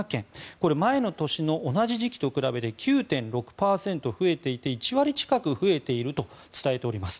これ、前の年の同じ時期と比べて９．６％増えていて１割近く増えていると伝えています。